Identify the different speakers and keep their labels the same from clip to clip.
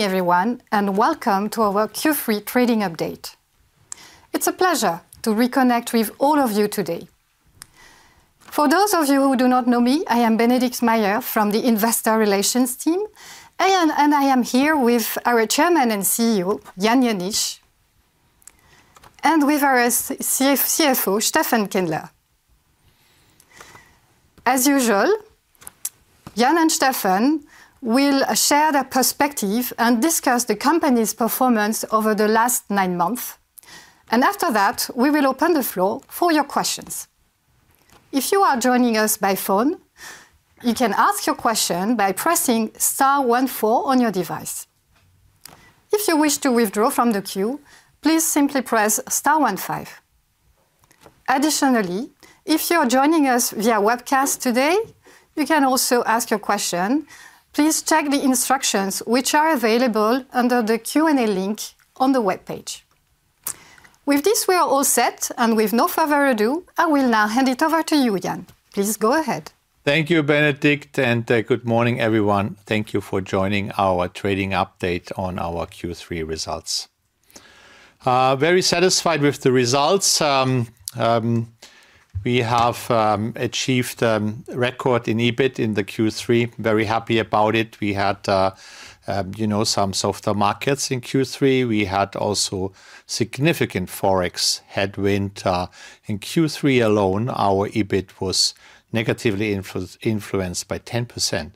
Speaker 1: Morning, everyone, and welcome to our Q3 trading update. It's a pleasure to reconnect with all of you today. For those of you who do not know me, I am Bénédicte Mayer from the Investor Relations team, and I am here with our Chairman and CEO, Jan Jenisch, and with our CFO, Steffen Kindler. As usual, Jan and Steffen will share their perspective and discuss the company's performance over the last nine months, and after that, we will open the floor for your questions. If you are joining us by phone, you can ask your question by pressing star one four on your device. If you wish to withdraw from the queue, please simply press star one five. Additionally, if you are joining us via webcast today, you can also ask your question. Please check the instructions which are available under the Q&A link on the webpage. With this, we are all set, and with no further ado, I will now hand it over to you, Jan. Please go ahead.
Speaker 2: Thank you, Bénédicte, and good morning, everyone. Thank you for joining our trading update on our Q3 results. Very satisfied with the results. We have achieved record in EBIT in the Q3. Very happy about it. We had, you know, some softer markets in Q3. We had also significant Forex headwind. In Q3 alone, our EBIT was negatively influenced by 10%,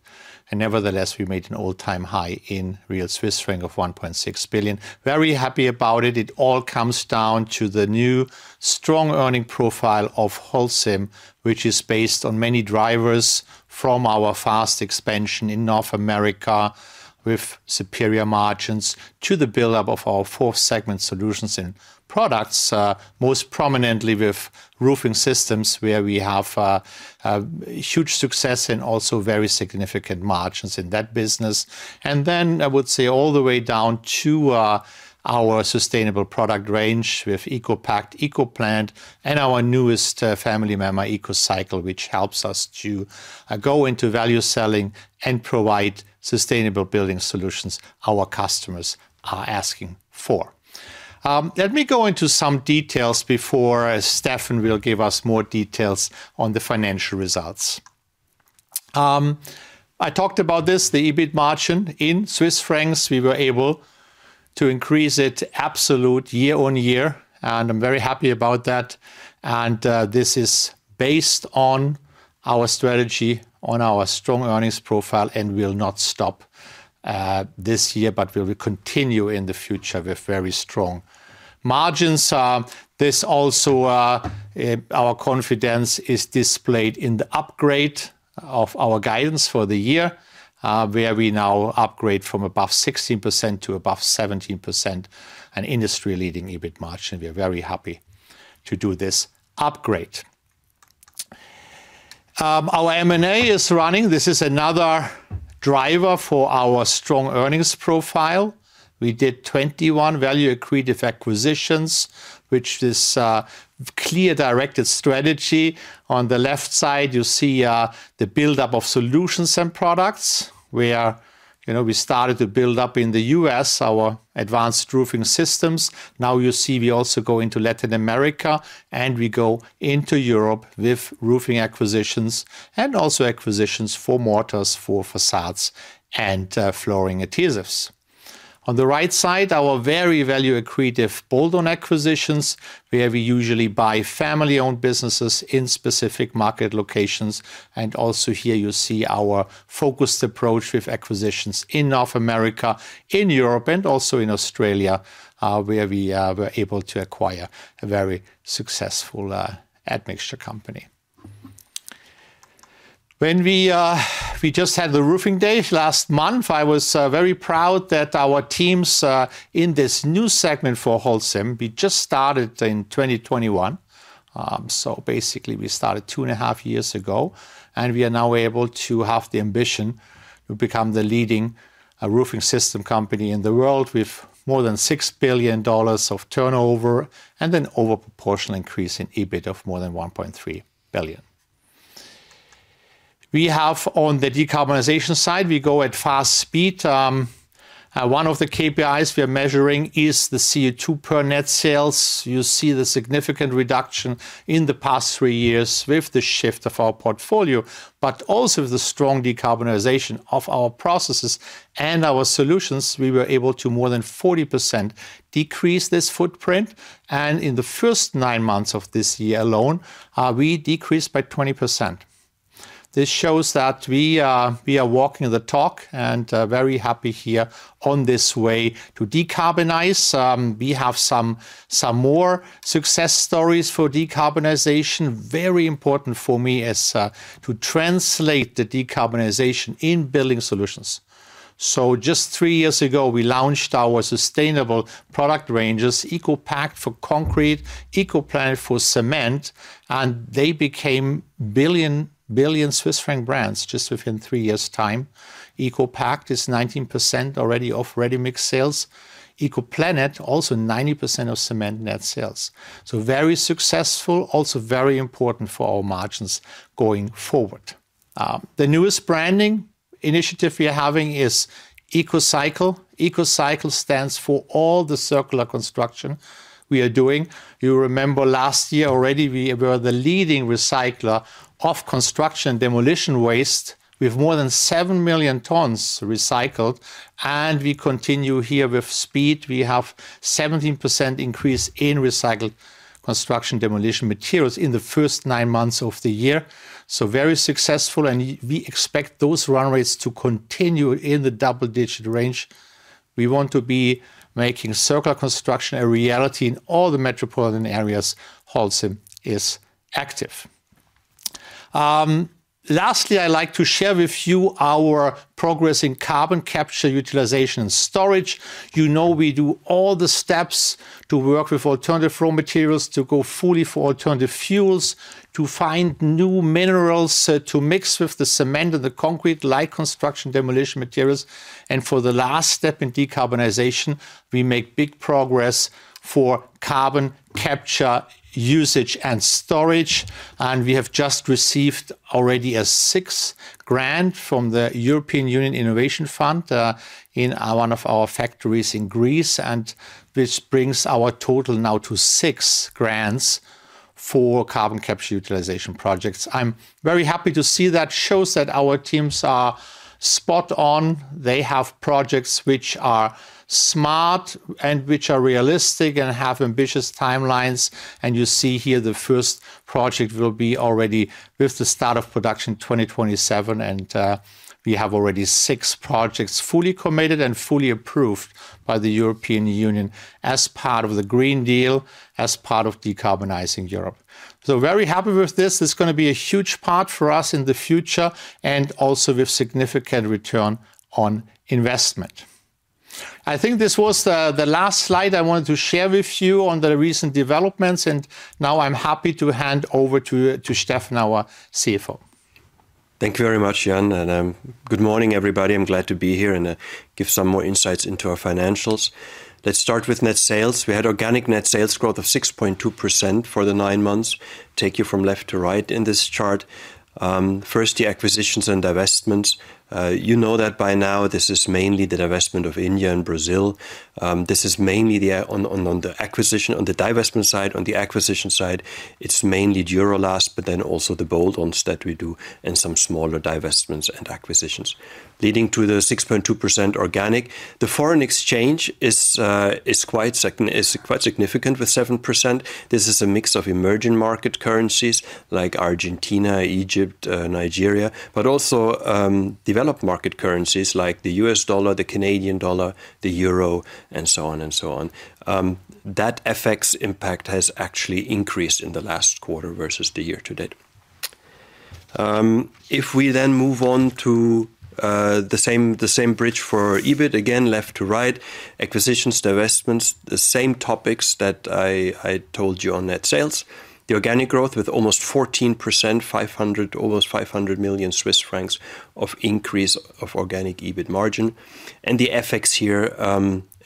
Speaker 2: and nevertheless, we made an all-time high in real Swiss franc of 1.6 billion. Very happy about it. It all comes down to the new strong earning profile of Holcim, which is based on many drivers from our fast expansion in North America, with superior margins to the build-up of our four segment solutions and products, most prominently with roofing systems, where we have a huge success and also very significant margins in that business. And then, I would say all the way down to our sustainable product range with ECOPact, ECOPlanet, and our newest family member, ECOCycle, which helps us to go into value selling and provide sustainable building solutions our customers are asking for. Let me go into some details before, as Steffen will give us more details on the financial results. I talked about this, the EBIT margin. In Swiss francs, we were able to increase it absolute year on year, and I'm very happy about that. This is based on our strategy, on our strong earnings profile, and will not stop this year, but will continue in the future with very strong margins. This also, our confidence is displayed in the upgrade of our guidance for the year, where we now upgrade from above 16% to above 17%, an industry-leading EBIT margin. We are very happy to do this upgrade. Our M&A is running. This is another driver for our strong earnings profile. We did 21 value-accretive acquisitions, which is a clear, directed strategy. On the left side, you see the build-up of solutions and products, where, you know, we started to build up in the U.S., our advanced roofing systems. Now you see we also go into Latin America, and we go into Europe with roofing acquisitions and also acquisitions for mortars, for facades, and flooring adhesives. On the right side, our very value-accretive bolt-on acquisitions, where we usually buy family-owned businesses in specific market locations. Also here you see our focused approach with acquisitions in North America, in Europe, and also in Australia, where we were able to acquire a very successful admixture company. When we just had the Roofing Day last month, I was very proud that our teams in this new segment for Holcim, we just started in 2021. So basically, we started two and a half years ago, and we are now able to have the ambition to become the leading roofing system company in the world, with more than $6 billion of turnover and an overproportional increase in EBIT of more than $1.3 billion. We have on the decarbonization side, we go at fast speed. One of the KPIs we are measuring is the CO2 per net sales. You see the significant reduction in the past three years with the shift of our portfolio, but also the strong decarbonization of our processes and our solutions, we were able to more than 40% decrease this footprint, and in the first nine months of this year alone, we decreased by 20%. This shows that we are, we are walking the talk, and very happy here on this way to decarbonize. We have some, some more success stories for decarbonization. Very important for me is to translate the decarbonization in building solutions. So just three years ago, we launched our sustainable product ranges, ECOPact for concrete, ECOPlanet for cement, and they became billion, billion Swiss franc brands just within three years time. ECOPact is 19% already of ready-mix sales. ECOPlanet, also 90% of cement net sales. So very successful, also very important for our margins going forward. The newest branding initiative we are having is ECOCycle. ECOCycle stands for all the circular construction we are doing. You remember last year already, we were the leading recycler of construction demolition waste, with more than 7 million tons recycled, and we continue here with speed. We have a 17% increase in recycled construction demolition materials in the first nine months of the year. So very successful, and we expect those run rates to continue in the double-digit range. We want to be making circular construction a reality in all the metropolitan areas Holcim is active. Lastly, I like to share with you our progress in carbon capture utilization storage. You know, we do all the steps to work with alternative raw materials, to go fully for alternative fuels, to find new minerals, to mix with the cement and the concrete, like construction demolition materials. And for the last step in decarbonization, we make big progress for carbon capture, usage, and storage. We have just received already a sixth grant from the European Union Innovation Fund, in one of our factories in Greece, and which brings our total now to six grants for carbon capture utilization projects. I'm very happy to see that shows that our teams are spot on. They have projects which are smart and which are realistic and have ambitious timelines, and you see here the first project will be already with the start of production 2027. We have already six projects, fully committed and fully approved by the European Union as part of the Green Deal, as part of decarbonizing Europe. So very happy with this. This is going to be a huge part for us in the future and also with significant return on investment. I think this was the last slide I wanted to share with you on the recent developments, and now I'm happy to hand over to Steffen, our CFO.
Speaker 3: Thank you very much, Jan, good morning, everybody. I'm glad to be here and give some more insights into our financials. Let's start with net sales. We had organic net sales growth of 6.2% for the nine months. Take you from left to right in this chart. First, the acquisitions and divestments. You know that by now, this is mainly the divestment of India and Brazil. This is mainly on the divestment side. On the acquisition side, it's mainly Duro-Last, but then also the bolt-ons that we do and some smaller divestments and acquisitions, leading to the 6.2% organic. The foreign exchange is quite significant with 7%. This is a mix of emerging market currencies like Argentina, Egypt, Nigeria, but also, developed market currencies like the U.S. dollar, the Canadian dollar, the euro, and so on and so on. That FX impact has actually increased in the last quarter versus the year to date. If we then move on to the same bridge for EBIT, again, left to right, acquisitions, divestments, the same topics that I told you on net sales. The organic growth with almost 14%, almost 500 million Swiss francs of increase of organic EBIT margin. And the FX here,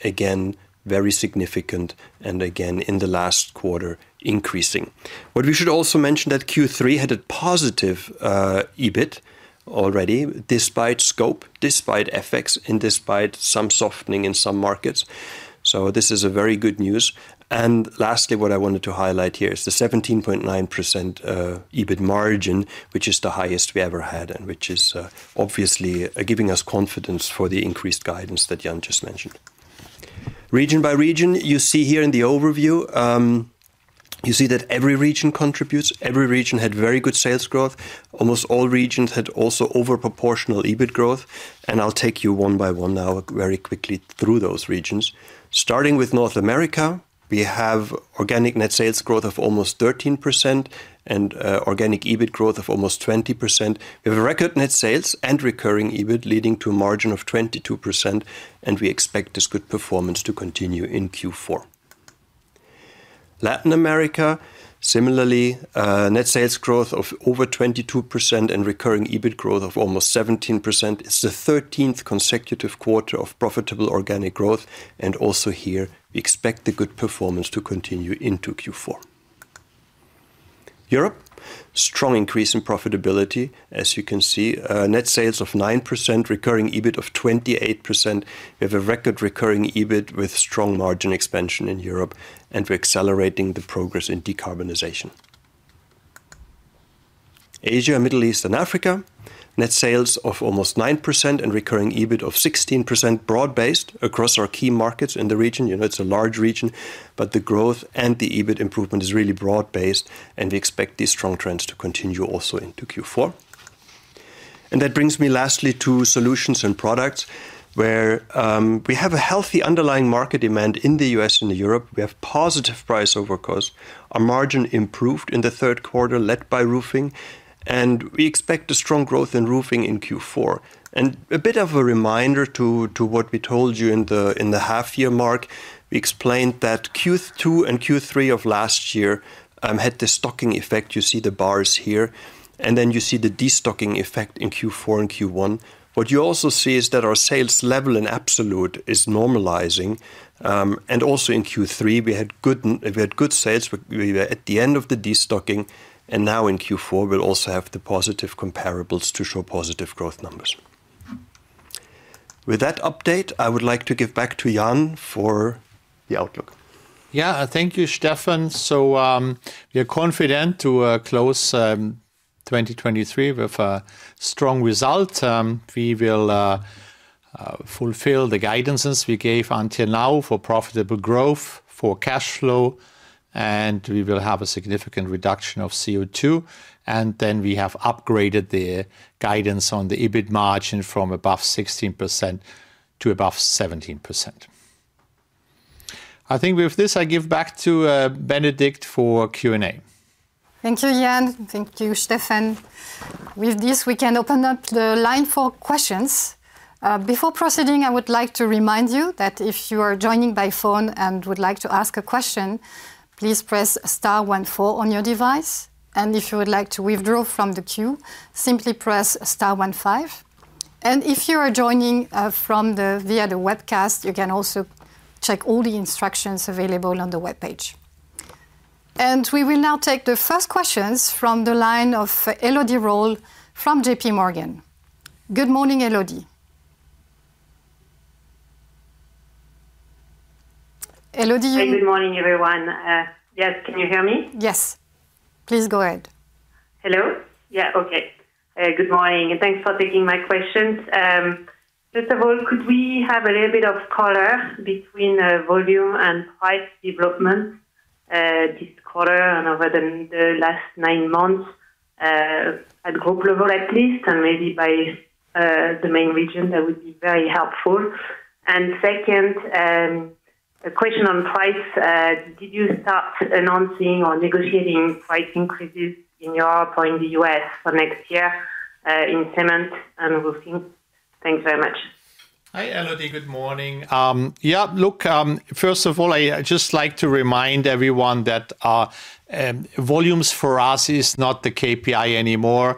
Speaker 3: again, very significant and again, in the last quarter, increasing. What we should also mention that Q3 had a positive EBIT already, despite scope, despite FX, and despite some softening in some markets. So this is a very good news. Lastly, what I wanted to highlight here is the 17.9% EBIT margin, which is the highest we ever had and which is obviously giving us confidence for the increased guidance that Jan just mentioned. Region by region, you see here in the overview, you see that every region contributes. Every region had very good sales growth. Almost all regions had also over proportional EBIT growth, and I'll take you one by one now, very quickly through those regions. Starting with North America, we have organic net sales growth of almost 13% and organic EBIT growth of almost 20%. We have a record net sales and recurring EBIT, leading to a margin of 22%, and we expect this good performance to continue in Q4. Latin America, similarly, net sales growth of over 22% and recurring EBIT growth of almost 17%. It's the 13th consecutive quarter of profitable organic growth, and also here, we expect the good performance to continue into Q4. Europe, strong increase in profitability. As you can see, net sales of 9%, recurring EBIT of 28%. We have a record recurring EBIT with strong margin expansion in Europe, and we're accelerating the progress in decarbonization. Asia, Middle East, and Africa, net sales of almost 9% and recurring EBIT of 16%, broad-based across our key markets in the region. You know, it's a large region, but the growth and the EBIT improvement is really broad-based, and we expect these strong trends to continue also into Q4. That brings me lastly to solutions and products, where we have a healthy underlying market demand in the U.S. and Europe. We have positive price over costs. Our margin improved in the third quarter, led by roofing, and we expect a strong growth in roofing in Q4. A bit of a reminder to what we told you in the half year mark, we explained that Q2 and Q3 of last year had the stocking effect. You see the bars here, and then you see the destocking effect in Q4 and Q1. What you also see is that our sales level in absolute is normalizing, and also in Q3, we had good sales, but we were at the end of the destocking, and now in Q4, we'll also have the positive comparables to show positive growth numbers. With that update, I would like to give back to Jan for the outlook.
Speaker 2: Yeah, thank you, Steffen. So, we are confident to close 2023 with a strong result. We will fulfill the guidances we gave until now for profitable growth, for cash flow, and we will have a significant reduction of CO2. And then we have upgraded the guidance on the EBIT margin from above 16% to above 17%. I think with this, I give back to Bénédicte for Q&A.
Speaker 1: Thank you, Jan. Thank you, Steffen. With this, we can open up the line for questions. Before proceeding, I would like to remind you that if you are joining by phone and would like to ask a question, please press star one four on your device. And if you would like to withdraw from the queue, simply press star one five. And if you are joining via the webcast, you can also check all the instructions available on the webpage. And we will now take the first questions from the line of Elodie Rall from JPMorgan. Good morning, Elodie. Elodie?
Speaker 4: Good morning, everyone. Yes, can you hear me?
Speaker 1: Yes. Please go ahead.
Speaker 4: Hello? Yeah. Okay. Good morning, and thanks for taking my questions. First of all, could we have a little bit of color between volume and price development this quarter and over the last nine months at group level, at least, and maybe by the main region? That would be very helpful. And second, a question on price. Did you start announcing or negotiating price increases in Europe or in the U.S. for next year in cement and roofing? Thanks very much.
Speaker 2: Hi, Elodie. Good morning. Yeah, look, first of all, I'd just like to remind everyone that, volumes for us is not the KPI anymore.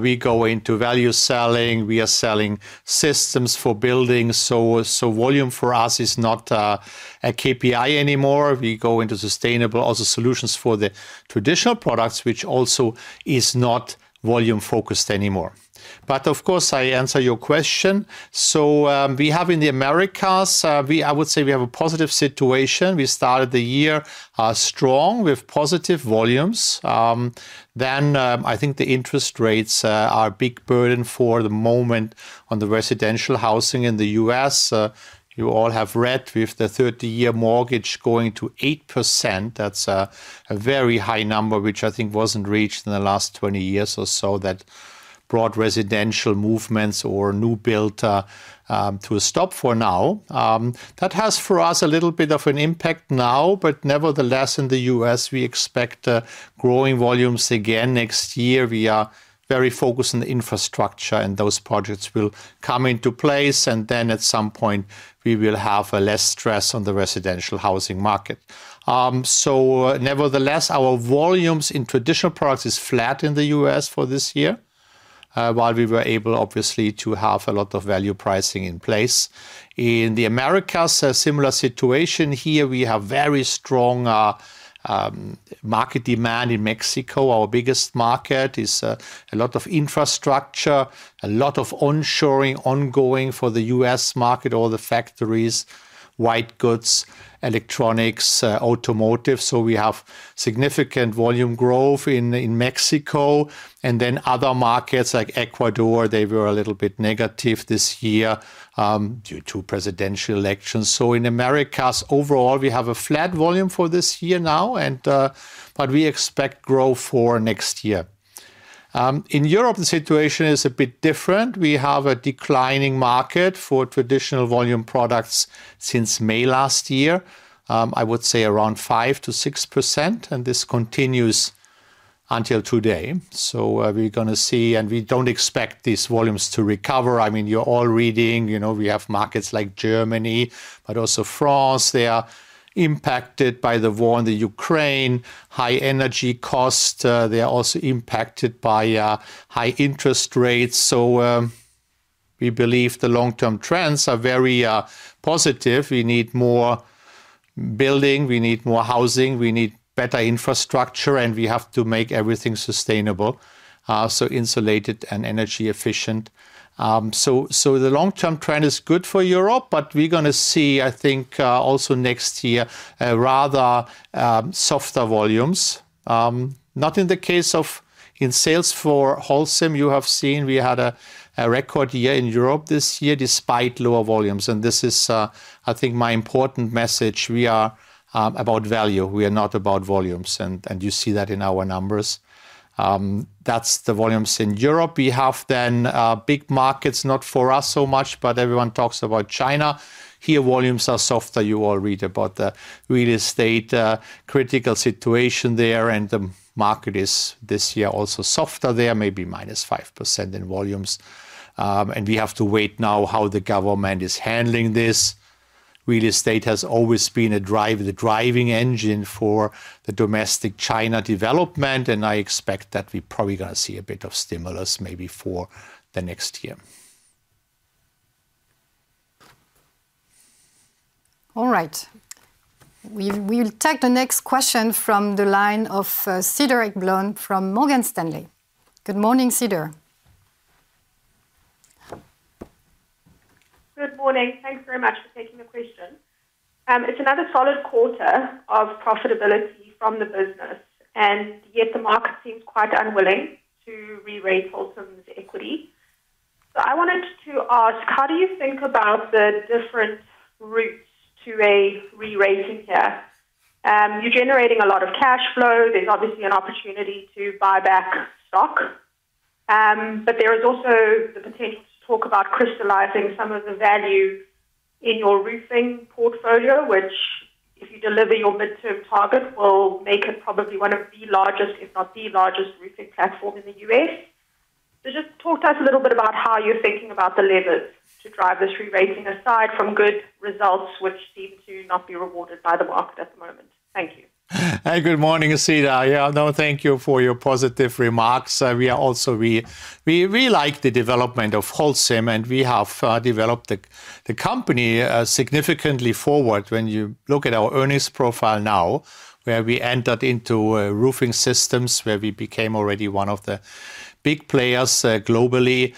Speaker 2: We go into value selling. We are selling systems for building, so, volume for us is not a KPI anymore. We go into sustainable other solutions for the traditional products, which also is not volume focused anymore. But of course, I answer your question. So, we have in the Americas, I would say we have a positive situation. We started the year, strong, with positive volumes. Then, I think the interest rates are a big burden for the moment on the residential housing in the U.S. You all have read with the 30-year mortgage going to 8%, that's a very high number, which I think wasn't reached in the last 20 years or so, that brought residential movements or new build to a stop for now. That has, for us, a little bit of an impact now, but nevertheless, in the U.S., we expect growing volumes again next year. We are very focused on the infrastructure, and those projects will come into place, and then at some point, we will have less stress on the residential housing market. So nevertheless, our volumes in traditional products is flat in the U.S. for this year, while we were able, obviously, to have a lot of value pricing in place. In the Americas, a similar situation here. We have very strong market demand in Mexico. Our biggest market is a lot of infrastructure, a lot of onshoring ongoing for the U.S. market, all the factories, white goods, electronics, automotive. So we have significant volume growth in Mexico, and then other markets like Ecuador, they were a little bit negative this year due to presidential elections. So in Americas, overall, we have a flat volume for this year now, and but we expect growth for next year. In Europe, the situation is a bit different. We have a declining market for traditional volume products since May last year. I would say around 5%-6%, and this continues until today. So we're gonna see, and we don't expect these volumes to recover. I mean, you're all reading, you know, we have markets like Germany, but also France. They are impacted by the war in the Ukraine, high energy cost. They are also impacted by high interest rates. So, we believe the long-term trends are very positive. We need more building, we need more housing, we need better infrastructure, and we have to make everything sustainable, so insulated and energy efficient. So the long-term trend is good for Europe, but we're gonna see, I think, also next year, a rather softer volumes. Not in the case of sales for Holcim, you have seen we had a record year in Europe this year, despite lower volumes, and this is, I think, my important message. We are about value, we are not about volumes, and you see that in our numbers. That's the volumes in Europe. We have then, big markets, not for us so much, but everyone talks about China. Here, volumes are softer. You all read about the real estate, critical situation there, and the market is, this year, also softer there, maybe -5% in volumes. And we have to wait now how the government is handling this. Real estate has always been a drive, the driving engine for the domestic China development, and I expect that we're probably gonna see a bit of stimulus, maybe for the next year.
Speaker 1: All right. We will, we'll take the next question from the line of, Cedar Ekblom from Morgan Stanley. Good morning, Cedar.
Speaker 5: Good morning. Thanks very much for taking the question. It's another solid quarter of profitability from the business, and yet the market seems quite unwilling to rerate Holcim's equity. So I wanted to ask, how do you think about the different routes to a rerating here? You're generating a lot of cash flow. There's obviously an opportunity to buy back stock. But there is also the potential to talk about crystallizing some of the value in your roofing portfolio, which, if you deliver your midterm target, will make it probably one of the largest, if not the largest, roofing platform in the U.S. So just talk to us a little bit about how you're thinking about the levers to drive this rerating, aside from good results, which seem to not be rewarded by the market at the moment. Thank you.
Speaker 2: Hi, good morning, Cedar. Yeah, no, thank you for your positive remarks. We are also—we like the development of Holcim, and we have developed the company significantly forward. When you look at our earnings profile now, where we entered into roofing systems, where we became already one of the big players globally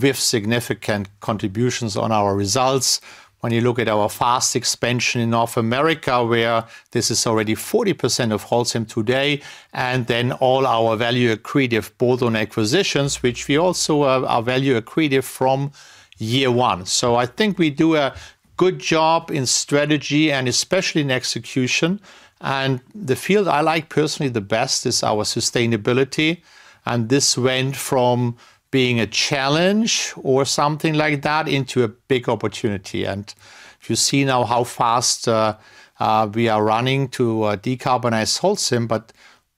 Speaker 2: with significant contributions on our results. When you look at our fast expansion in North America, where this is already 40% of Holcim today, and then all our value accretive, both on acquisitions, which we also have a value accretive from year one. So I think we do a good job in strategy and especially in execution. And the field I like personally the best is our sustainability, and this went from being a challenge or something like that, into a big opportunity. If you see now how fast we are running to decarbonize Holcim, but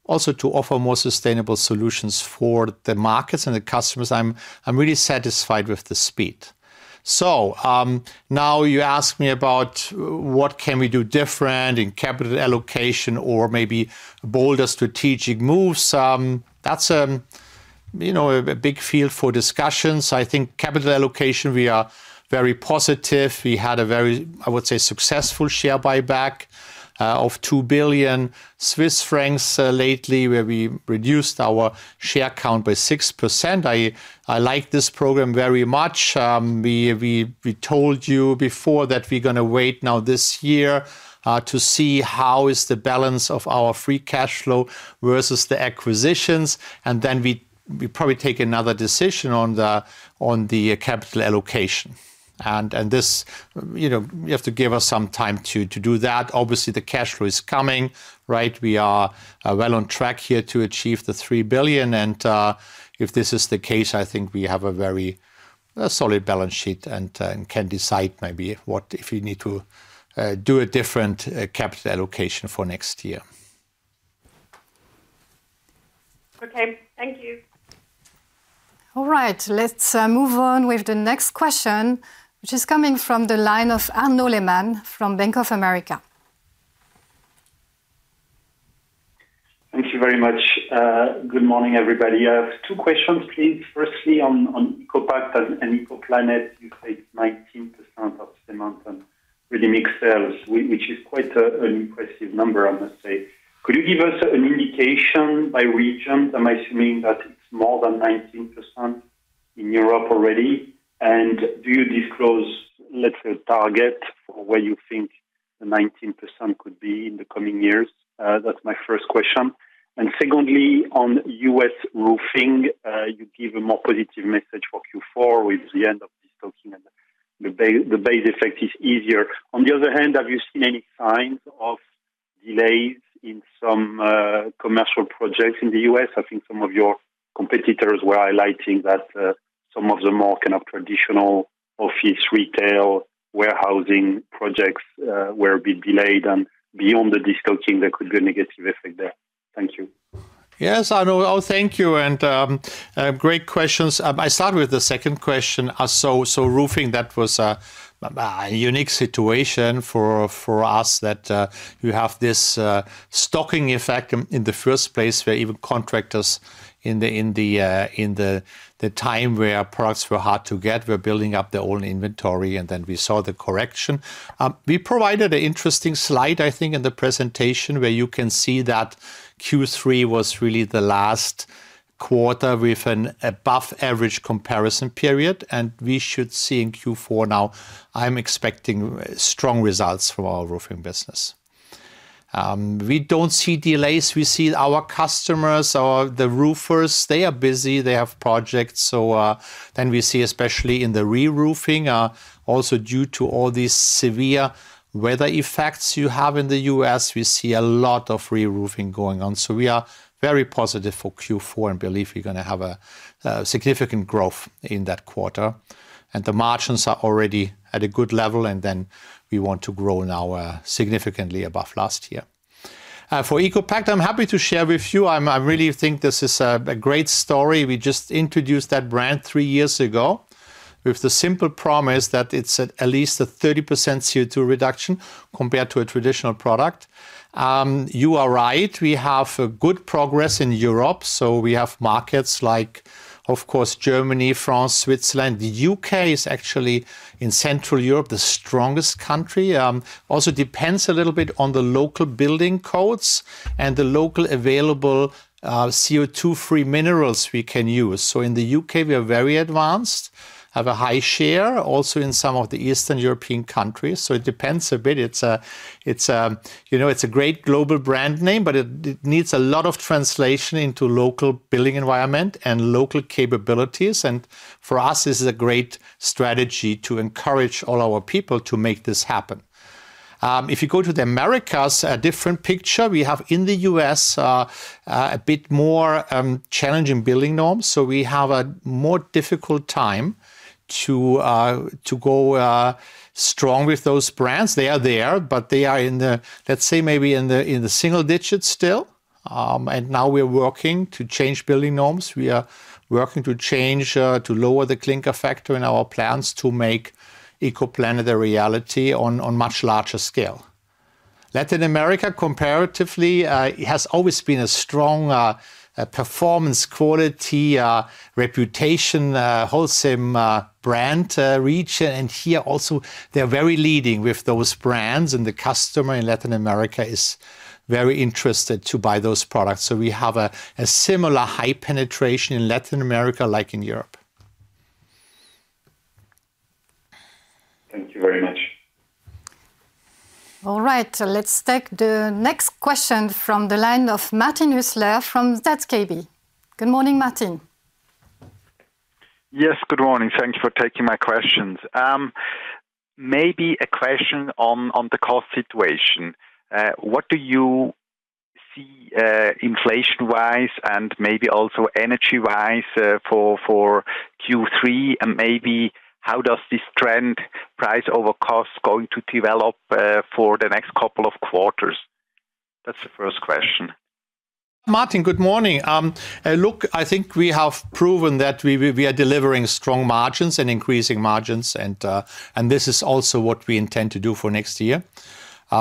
Speaker 2: also to offer more sustainable solutions for the markets and the customers, I'm really satisfied with the speed. Now you ask me about what can we do different in capital allocation or maybe bolder strategic moves. That's you know, a big field for discussions. I think capital allocation, we are very positive. We had a very, I would say, successful share buyback of 2 billion Swiss francs lately, where we reduced our share count by 6%. I like this program very much. We told you before that we're gonna wait now this year to see how is the balance of our free cash flow versus the acquisitions, and then we probably take another decision on the capital allocation. And this, you know, you have to give us some time to do that. Obviously, the cash flow is coming, right? We are well on track here to achieve 3 billion, and if this is the case, I think we have a very solid balance sheet and can decide maybe what if we need to do a different capital allocation for next year.
Speaker 5: Okay. Thank you.
Speaker 1: All right. Let's move on with the next question, which is coming from the line of Arnaud Lehmann from Bank of America.
Speaker 6: Thank you very much. Good morning, everybody. I have two questions, please. Firstly, on ECOPact and ECOPlanet, you said 19% of cement and ready-mix sales, which is quite an impressive number, I must say. Could you give us an indication by region? I'm assuming that it's more than 19% in Europe already. And do you disclose, let's say, a target for where you think the 19% could be in the coming years? That's my first question. And secondly, on U.S. roofing, you give a more positive message for Q4 with the end of destocking and the base effect is easier. On the other hand, have you seen any signs of delays in some commercial projects in the U.S.? I think some of your competitors were highlighting that, some of the more kind of traditional office, retail, warehousing projects, were a bit delayed, and beyond the discounting, there could be a negative effect there. Thank you.
Speaker 2: Yes, Arnaud. Oh, thank you, and great questions. I start with the second question. So roofing, that was a unique situation for us, that you have this stocking effect in the first place, where even contractors in the time where products were hard to get were building up their own inventory, and then we saw the correction. We provided an interesting slide, I think, in the presentation, where you can see that Q3 was really the last quarter with an above average comparison period, and we should see in Q4 now. I'm expecting strong results from our roofing business. We don't see delays. We see our customers or the roofers; they are busy. They have projects. So, then we see, especially in the reroofing, also due to all these severe weather effects you have in the U.S., we see a lot of reroofing going on. So we are very positive for Q4 and believe we're gonna have a significant growth in that quarter. And the margins are already at a good level, and then we want to grow now, significantly above last year. For ECOPact, I'm happy to share with you. I really think this is a great story. We just introduced that brand three years ago, with the simple promise that it's at least a 30% CO2 reduction compared to a traditional product. You are right, we have good progress in Europe, so we have markets like, of course, Germany, France, Switzerland. The U.K. is actually, in central Europe, the strongest country. Also depends a little bit on the local building codes and the local available CO2-free minerals we can use. So in the U.K., we are very advanced, have a high share, also in some of the Eastern European countries, so it depends a bit. It's a, you know, it's a great global brand name, but it needs a lot of translation into local building environment and local capabilities, and for us, this is a great strategy to encourage all our people to make this happen. If you go to the Americas, a different picture. We have in the U.S. a bit more challenging building norms, so we have a more difficult time to go strong with those brands. They are there, but they are in the, let's say, maybe in the single digits still. Now we're working to change building norms. We are working to lower the clinker factor in our plants to make ECOPlanet a reality on much larger scale. Latin America, comparatively, has always been a strong performance quality reputation Holcim brand reach. And here also, they're very leading with those brands, and the customer in Latin America is very interested to buy those products. So we have a similar high penetration in Latin America, like in Europe.
Speaker 6: Thank you very much.
Speaker 1: All right, let's take the next question from the line of Martin Hüsler from ZKB. Good morning, Martin.
Speaker 7: Yes, good morning. Thank you for taking my questions. Maybe a question on the cost situation. What do you see, inflation-wise, and maybe also energy-wise, for Q3? And maybe how does this trend price over cost going to develop, for the next couple of quarters? That's the first question.
Speaker 2: Martin, good morning. Look, I think we have proven that we are delivering strong margins and increasing margins, and this is also what we intend to do for next year.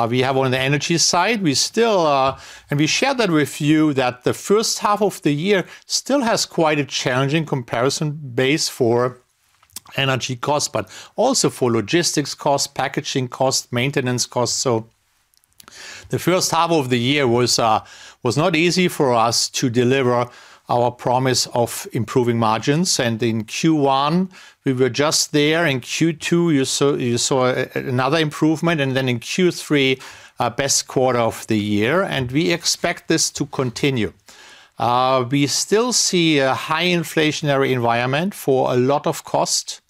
Speaker 2: We have on the energy side, we still... We shared that with you, that the first half of the year still has quite a challenging comparison base for energy costs, but also for logistics costs, packaging costs, maintenance costs. So the first half of the year was not easy for us to deliver our promise of improving margins, and in Q1, we were just there. In Q2, you saw another improvement, and then in Q3, our best quarter of the year. We expect this to continue. We still see a high inflationary environment for a lot of cost,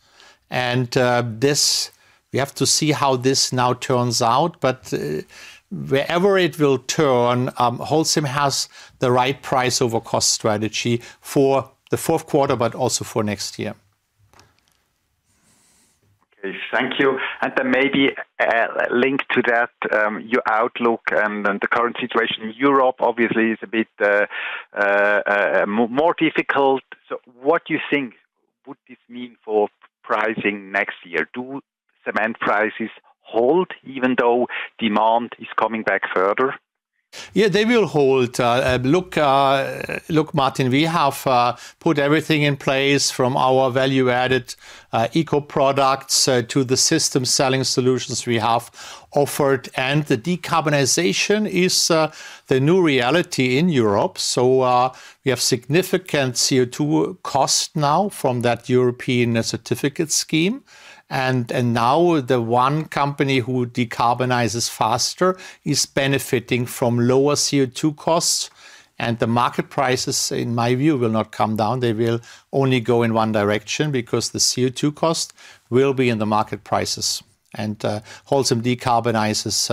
Speaker 2: and this, we have to see how this now turns out, but wherever it will turn, Holcim has the right price over cost strategy for the fourth quarter, but also for next year.
Speaker 7: Okay. Thank you. And then maybe linked to that, your outlook and the current situation in Europe, obviously is a bit more difficult. So what do you think would this mean for pricing next year? Do cement prices hold even though demand is coming back further?
Speaker 2: Yeah, they will hold. Look, Martin, we have put everything in place from our value-added eco products to the system selling solutions we have offered, and the decarbonization is the new reality in Europe. So we have significant CO2 cost now from that European certificate scheme. And now the one company who decarbonizes faster is benefiting from lower CO2 costs, and the market prices, in my view, will not come down. They will only go in one direction because the CO2 cost will be in the market prices. And Holcim decarbonizes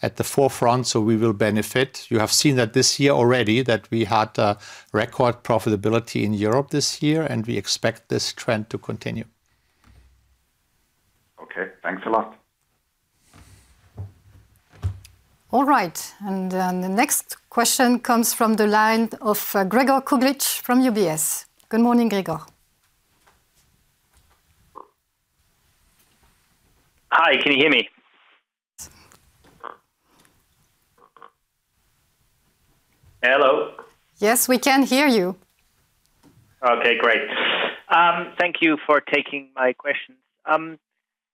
Speaker 2: at the forefront, so we will benefit. You have seen that this year already, that we had record profitability in Europe this year, and we expect this trend to continue.
Speaker 7: Okay, thanks a lot.
Speaker 1: All right. The next question comes from the line of Gregor Kuglitsch from UBS. Good morning, Gregor.
Speaker 8: Hi, can you hear me? Hello?
Speaker 1: Yes, we can hear you.
Speaker 8: Okay, great. Thank you for taking my questions.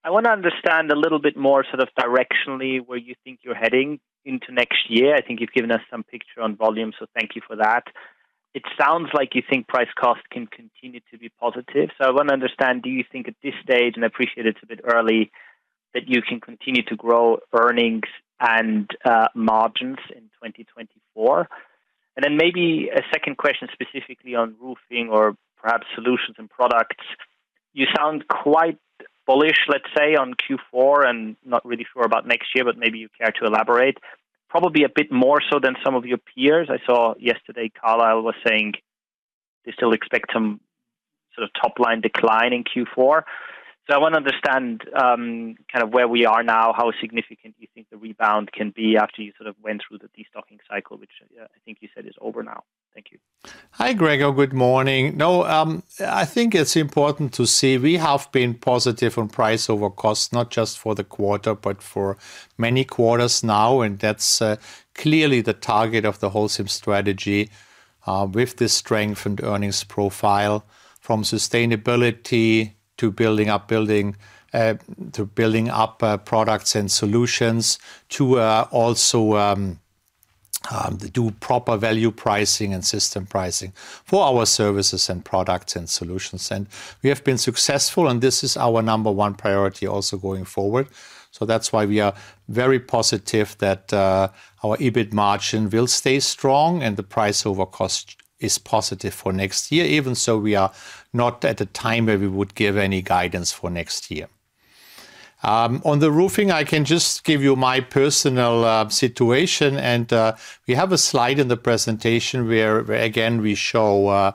Speaker 8: I want to understand a little bit more sort of directionally, where you think you're heading into next year. I think you've given us some picture on volume, so thank you for that. It sounds like you think price cost can continue to be positive. So I want to understand, do you think at this stage, and I appreciate it's a bit early, that you can continue to grow earnings and margins in 2024? And then maybe a second question, specifically on roofing or perhaps solutions and products. You sound quite bullish, let's say, on Q4, and not really sure about next year, but maybe you care to elaborate. Probably a bit more so than some of your peers. I saw yesterday, Carlisle was saying you still expect some sort of top line decline in Q4? I want to understand kind of where we are now, how significant you think the rebound can be after you sort of went through the destocking cycle, which I think you said is over now? Thank you.
Speaker 2: Hi, Gregor. Good morning. No, I think it's important to say we have been positive on price over cost, not just for the quarter, but for many quarters now, and that's clearly the target of the Holcim strategy, with this strength and earnings profile, from sustainability to building up building, to building up, products and solutions, to also do proper value pricing and system pricing for our services and products and solutions. And we have been successful, and this is our number one priority also going forward. So that's why we are very positive that our EBIT margin will stay strong and the price over cost is positive for next year. Even so, we are not at a time where we would give any guidance for next year. On the roofing, I can just give you my personal situation, and we have a slide in the presentation where again we show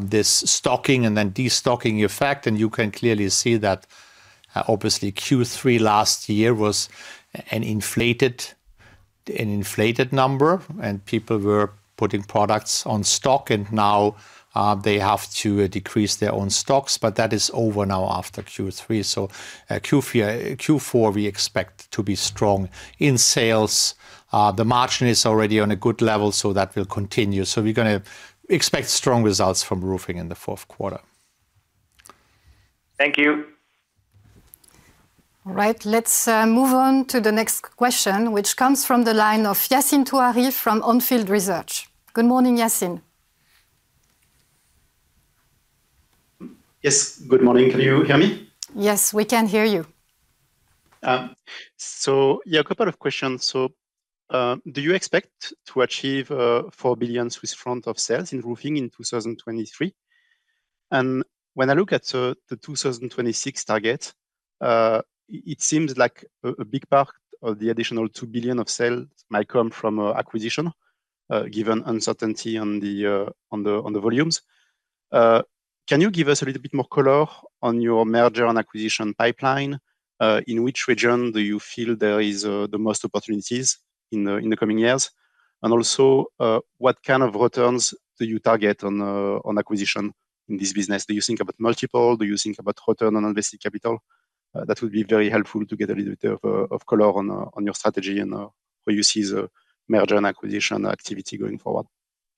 Speaker 2: this stocking and then destocking effect, and you can clearly see that obviously Q3 last year was an inflated number, and people were putting products on stock, and now they have to decrease their own stocks, but that is over now after Q3. So Q4 we expect to be strong in sales. The margin is already on a good level, so that will continue. So we're gonna expect strong results from roofing in the fourth quarter.
Speaker 8: Thank you.
Speaker 1: All right, let's move on to the next question, which comes from the line of Yassine Touahri from On Field Research. Good morning, Yassine.
Speaker 9: Yes, good morning. Can you hear me?
Speaker 1: Yes, we can hear you.
Speaker 9: So yeah, a couple of questions. Do you expect to achieve 4 billion Swiss francs of sales in roofing in 2023? And when I look at the 2026 target, it seems like a big part of the additional 2 billion of sale might come from acquisition, given uncertainty on the volumes. Can you give us a little bit more color on your merger and acquisition pipeline? In which region do you feel there is the most opportunities in the coming years? And also, what kind of returns do you target on acquisition in this business? Do you think about multiple, do you think about return on invested capital? That would be very helpful to get a little bit of color on your strategy and where you see the merger and acquisition activity going forward.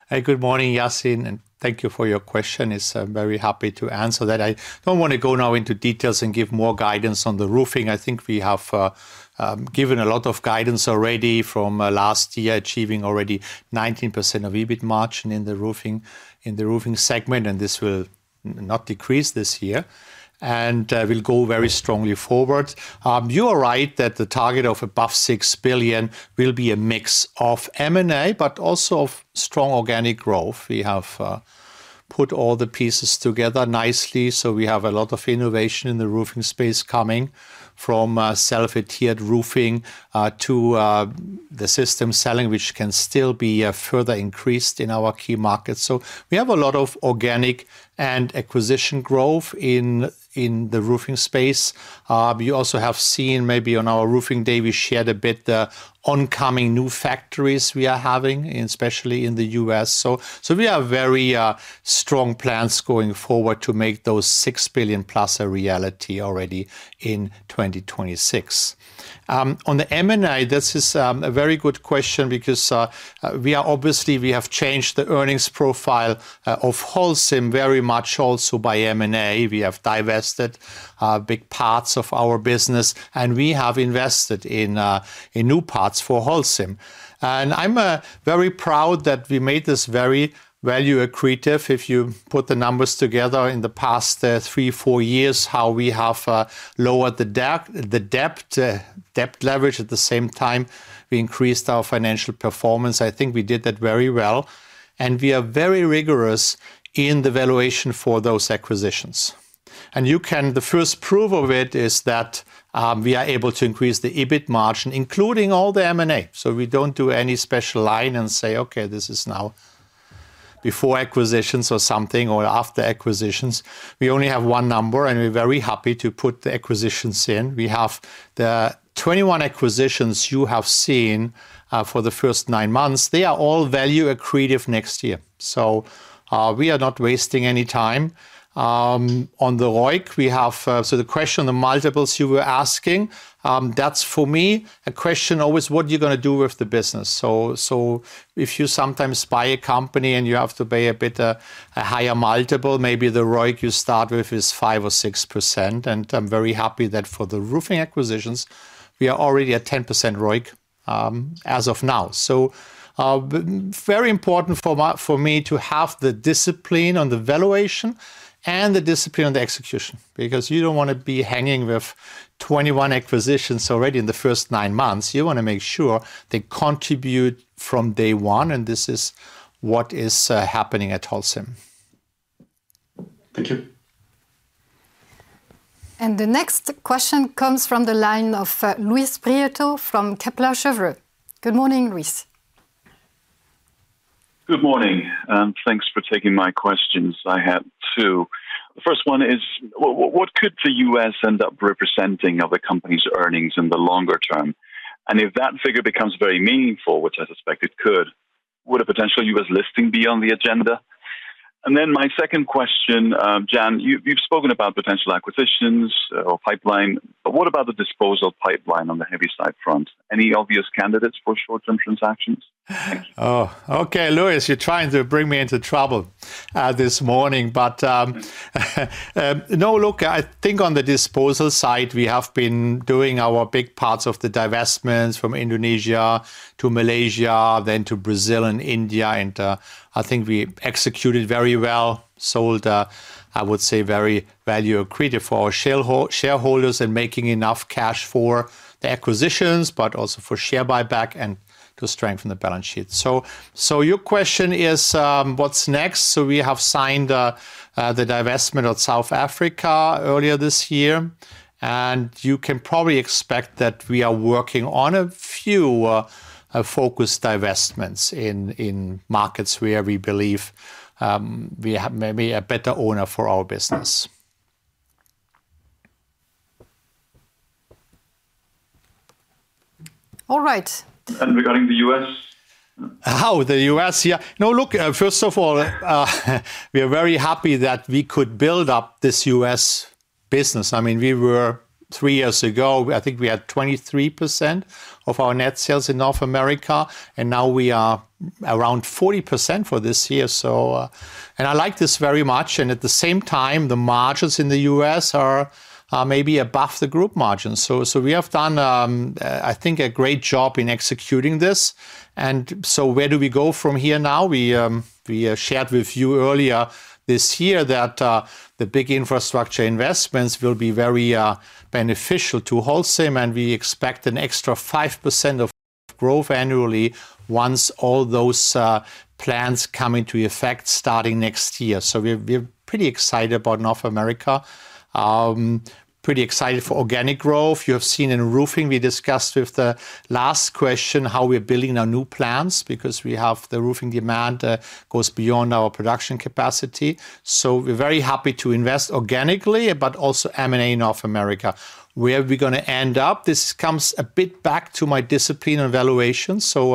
Speaker 2: Hey, good morning, Yassine, and thank you for your question. It's very happy to answer that. I don't want to go now into details and give more guidance on the roofing. I think we have given a lot of guidance already from last year, achieving already 19% of EBIT margin in the roofing, in the roofing segment, and this will not decrease this year and will go very strongly forward. You are right that the target of above 6 billion will be a mix of M&A, but also of strong organic growth. We have put all the pieces together nicely, so we have a lot of innovation in the roofing space coming from self-adhered roofing to the system selling, which can still be further increased in our key markets. So we have a lot of organic and acquisition growth in the roofing space. We also have seen, maybe on our roofing day, we shared a bit, the oncoming new factories we are having, especially in the U.S. So we have very strong plans going forward to make those $6+ billion a reality already in 2026. On the M&A, this is a very good question because we are obviously, we have changed the earnings profile of Holcim very much also by M&A. We have divested big parts of our business, and we have invested in in new parts for Holcim. And I'm very proud that we made this very value accretive. If you put the numbers together in the past three, four years, how we have lowered the debt, the debt, debt leverage, at the same time, we increased our financial performance. I think we did that very well, and we are very rigorous in the valuation for those acquisitions. And you can- the first proof of it is that, we are able to increase the EBIT margin, including all the M&A. So we don't do any special line and say, "Okay, this is now before acquisitions or something, or after acquisitions." We only have one number, and we're very happy to put the acquisitions in. We have the 21 acquisitions you have seen, for the first nine months. They are all value accretive next year. So, we are not wasting any time. On the ROIC, we have... So the question, the multiples you were asking, that's for me, a question always, what you're gonna do with the business? So, if you sometimes buy a company and you have to pay a bit, a higher multiple, maybe the ROIC you start with is 5% or 6%, and I'm very happy that for the roofing acquisitions, we are already at 10% ROIC, as of now. So, very important for me to have the discipline on the valuation and the discipline on the execution, because you don't want to be hanging with 21 acquisitions already in the first nine months. You want to make sure they contribute from day one, and this is what is happening at Holcim.
Speaker 9: Thank you....
Speaker 1: The next question comes from the line of Luis Prieto from Kepler Cheuvreux. Good morning, Luis.
Speaker 10: Good morning, and thanks for taking my questions. I have two. The first one is, what could the U.S. end up representing of the company's earnings in the longer term? And if that figure becomes very meaningful, which I suspect it could, would a potential U.S. listing be on the agenda? And then my second question, Jan, you've spoken about potential acquisitions or pipeline, but what about the disposal pipeline on the heavy side front? Any obvious candidates for short-term transactions?
Speaker 2: Oh, okay, Luis, you're trying to bring me into trouble this morning. But no, look, I think on the disposal side, we have been doing our big parts of the divestments from Indonesia to Malaysia, then to Brazil and India, and I think we executed very well. Sold, I would say, very value accretive for our shareholders and making enough cash for the acquisitions, but also for share buyback and to strengthen the balance sheet. So your question is, what's next? So we have signed the divestment of South Africa earlier this year, and you can probably expect that we are working on a few focused divestments in markets where we believe we have maybe a better owner for our business.
Speaker 1: All right.
Speaker 10: Regarding the U.S.?
Speaker 2: Oh, the U.S., yeah. No, look, first of all, we are very happy that we could build up this U.S. business. I mean, we were—three years ago, I think we had 23% of our net sales in North America, and now we are around 40% for this year. So, and I like this very much, and at the same time, the margins in the U.S. are, maybe above the group margins. So we have done, I think, a great job in executing this. And so where do we go from here now? We shared with you earlier this year that the big infrastructure investments will be very beneficial to Holcim, and we expect an extra 5% of growth annually once all those plans come into effect starting next year. So we're pretty excited about North America. Pretty excited for organic growth. You have seen in roofing, we discussed with the last question how we're building our new plants, because we have the roofing demand goes beyond our production capacity. So we're very happy to invest organically, but also M&A in North America. Where are we gonna end up? This comes a bit back to my discipline and valuation. So,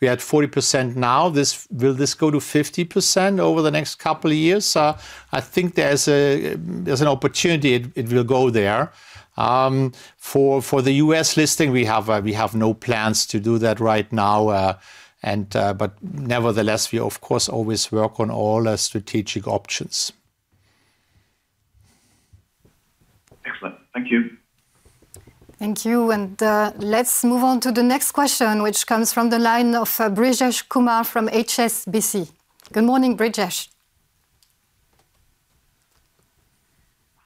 Speaker 2: we had 40% now. This will go to 50% over the next couple of years? I think there's an opportunity it will go there. For the U.S. listing, we have no plans to do that right now, and, but nevertheless, we of course always work on all our strategic options.
Speaker 10: Excellent. Thank you.
Speaker 1: Thank you, and, let's move on to the next question, which comes from the line of Brijesh Kumar from HSBC. Good morning, Brijesh.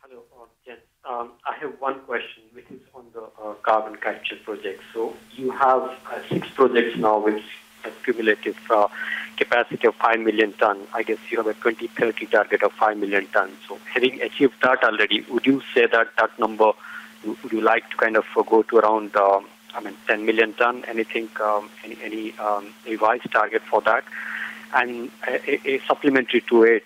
Speaker 11: Hello, yes. I have one question, which is on the carbon capture project. So you have six projects now, which have cumulative capacity of 5 million tons. I guess you have a 2030 target of 5 million tons. So having achieved that already, would you say that that number, would you like to kind of go to around, I mean, 10 million tons? Anything, any revised target for that? And a supplementary to it,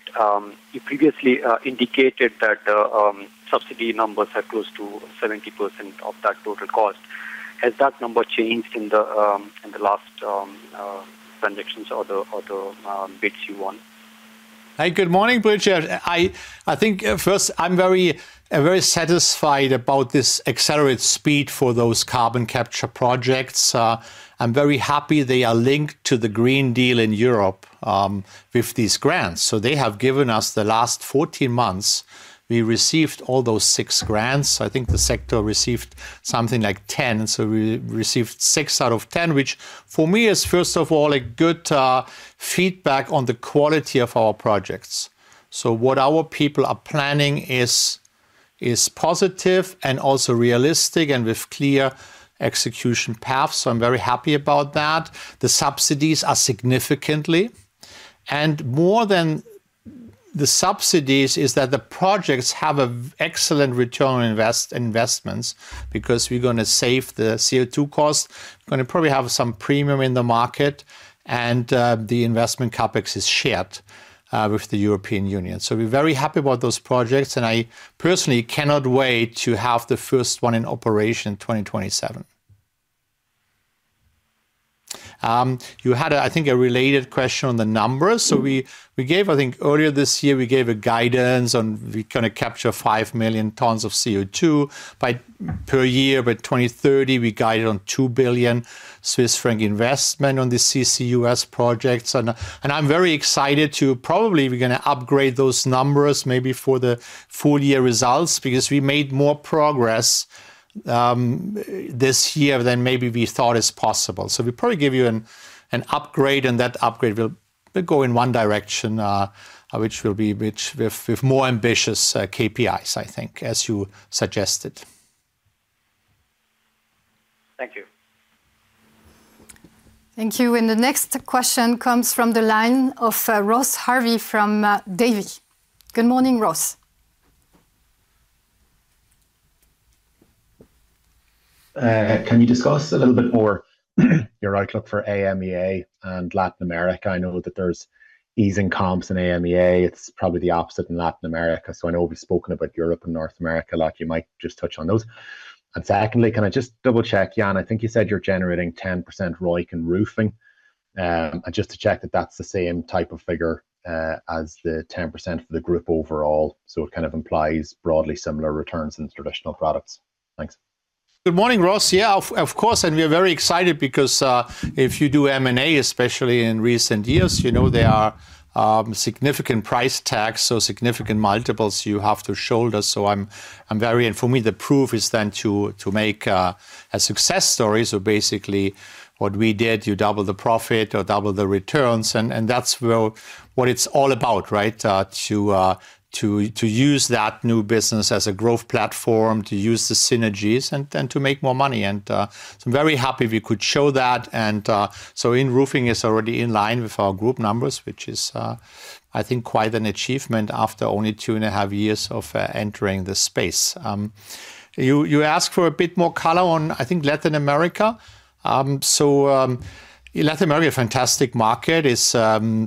Speaker 11: you previously indicated that the subsidy numbers are close to 70% of that total cost. Has that number changed in the last transactions or the bids you won?
Speaker 2: Hi, good morning, Brijesh. I think, first, I'm very, very satisfied about this accelerated speed for those carbon capture projects. I'm very happy they are linked to the Green Deal in Europe, with these grants. So they have given us the last 14 months, we received all those six grants. I think the sector received something like 10, so we received six out of 10, which for me is, first of all, a good, feedback on the quality of our projects. So what our people are planning is positive and also realistic and with clear execution paths, so I'm very happy about that. The subsidies are significant, and more than the subsidies, is that the projects have an excellent return on investments, because we're gonna save the CO2 costs. We're gonna probably have some premium in the market, and the investment CapEx is shared with the European Union. So we're very happy about those projects, and I personally cannot wait to have the first one in operation in 2027. You had, I think, a related question on the numbers. So we, we gave... I think earlier this year, we gave a guidance on we gonna capture 5 million tons of CO2 per year. By 2030, we guided on 2 billion Swiss franc investment on the CCUS projects, and I'm very excited to. Probably, we're gonna upgrade those numbers maybe for the full year results, because we made more progress this year than maybe we thought is possible. So we'll probably give you an upgrade, and that upgrade will go in one direction, which will be with more ambitious KPIs, I think, as you suggested....
Speaker 11: Thank you.
Speaker 1: Thank you. The next question comes from the line of Ross Harvey from Davy. Good morning, Ross.
Speaker 12: Can you discuss a little bit more your outlook for AMEA and Latin America? I know that there's easing comps in AMEA. It's probably the opposite in Latin America. So I know we've spoken about Europe and North America, like, you might just touch on those. And secondly, can I just double-check, Jan, I think you said you're generating 10% ROIC in roofing. And just to check that that's the same type of figure, as the 10% for the group overall. So it kind of implies broadly similar returns in traditional products. Thanks.
Speaker 2: Good morning, Ross. Yeah, of course, and we are very excited because if you do M&A, especially in recent years, you know, they are significant price tags, so significant multiples you have to shoulder. So I'm very and for me, the proof is then to make a success story. So basically, what we did, you double the profit or double the returns, and that's where what it's all about, right? To use that new business as a growth platform, to use the synergies, and to make more money. And so I'm very happy we could show that, and so in roofing is already in line with our group numbers, which is, I think, quite an achievement after only two and a half years of entering this space. You asked for a bit more color on, I think, Latin America. So, Latin America, a fantastic market. It's...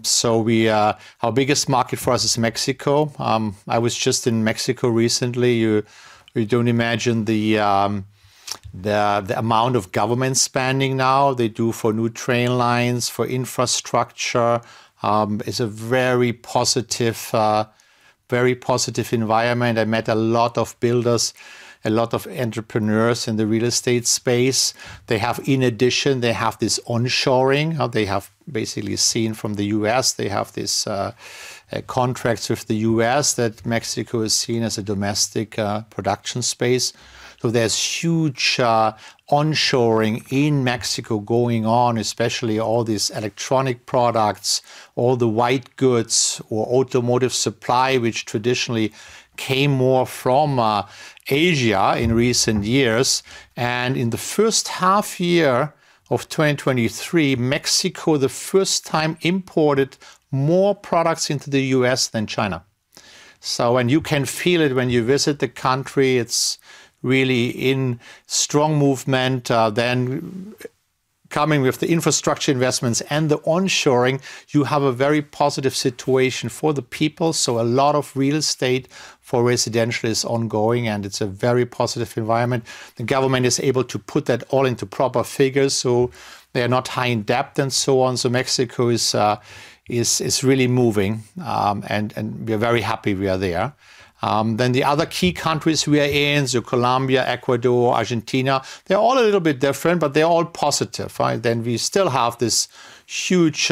Speaker 2: So we, our biggest market for us is Mexico. I was just in Mexico recently. You don't imagine the amount of government spending now they do for new train lines, for infrastructure. It's a very positive, very positive environment. I met a lot of builders, a lot of entrepreneurs in the real estate space. They have, in addition, they have this onshoring, how they have basically seen from the U.S., they have this, contracts with the U.S., that Mexico is seen as a domestic, production space. So there's huge onshoring in Mexico going on, especially all these electronic products, all the white goods or automotive supply, which traditionally came more from Asia in recent years. In the first half year of 2023, Mexico, the first time, imported more products into the U.S. than China. You can feel it when you visit the country; it's really in strong movement. Then coming with the infrastructure investments and the onshoring, you have a very positive situation for the people, so a lot of real estate for residential is ongoing, and it's a very positive environment. The government is able to put that all into proper figures, so they are not high in debt and so on. So Mexico is really moving, and we are very happy we are there. Then the other key countries we are in, so Colombia, Ecuador, Argentina, they're all a little bit different, but they're all positive, right? Then we still have this huge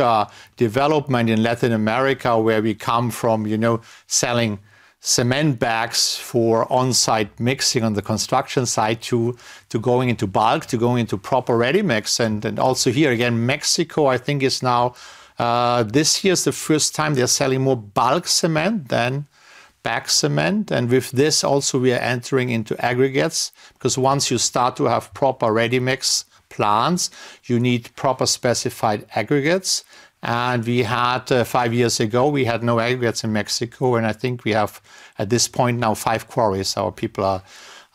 Speaker 2: development in Latin America, where we come from, you know, selling cement bags for on-site mixing on the construction site, to going into bulk, to going into proper ready mix. And also here, again, Mexico, I think, is now this year is the first time they're selling more bulk cement than bag cement. And with this, also we are entering into aggregates, 'cause once you start to have proper ready mix plants, you need proper specified aggregates. And we had five years ago, we had no aggregates in Mexico, and I think we have, at this point now, five quarries. Our people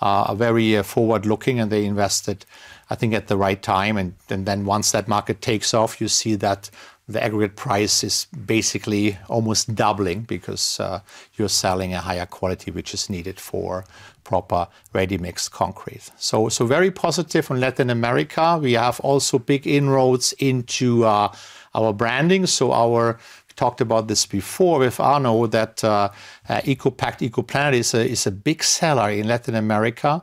Speaker 2: are very forward-looking, and they invested, I think, at the right time. And then once that market takes off, you see that the aggregate price is basically almost doubling because you're selling a higher quality, which is needed for proper ready-mix concrete. So very positive in Latin America. We have also big inroads into our branding. So our talked about this before with Arno, that EcoPact, ECOPlanet is a big seller in Latin America.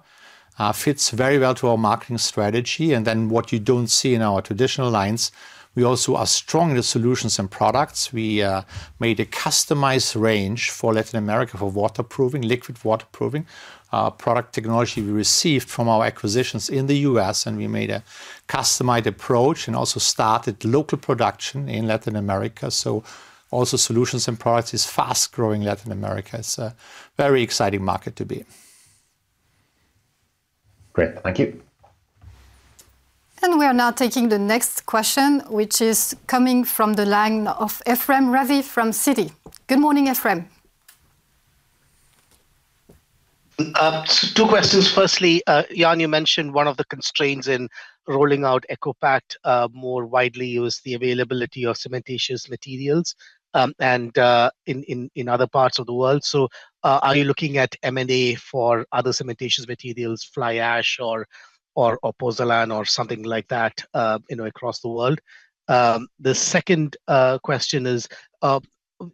Speaker 2: Fits very well to our marketing strategy, and then what you don't see in our traditional lines, we also are strong in the solutions and products. We made a customized range for Latin America for waterproofing, liquid waterproofing. Our product technology we received from our acquisitions in the U.S., and we made a customized approach and also started local production in Latin America. So also solutions and products is fast-growing in Latin America. It's a very exciting market to be.
Speaker 12: Great. Thank you.
Speaker 1: We are now taking the next question, which is coming from the line of Ephrem Ravi from Citi. Good morning, Ephrem.
Speaker 13: Two questions. Firstly, Jan, you mentioned one of the constraints in rolling out ECOPact more widely was the availability of cementitious materials and in other parts of the world. So, are you looking at M&A for other cementitious materials, fly ash or pozzolan or something like that, you know, across the world? The second question is,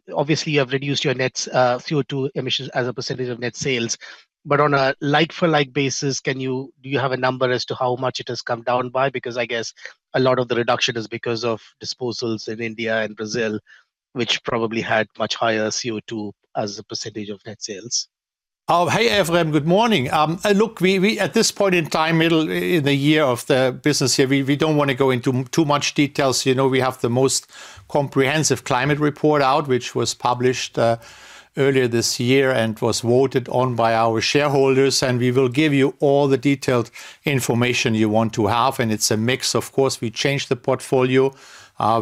Speaker 13: obviously, you have reduced your net CO2 emissions as a percentage of net sales, but on a like-for-like basis, can you do you have a number as to how much it has come down by? Because I guess a lot of the reduction is because of disposals in India and Brazil, which probably had much higher CO2 as a percentage of net sales. ...
Speaker 2: Oh, hey, Ephrem, good morning. Look, we at this point in time, middle in the year of the business here, we don't want to go into too much details. You know, we have the most comprehensive climate report out, which was published earlier this year and was voted on by our shareholders, and we will give you all the detailed information you want to have, and it's a mix. Of course, we changed the portfolio.